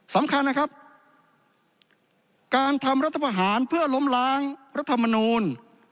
สำคัญนะครับการทำรัฐประหารเพื่อล้มล้างรัฐมนูล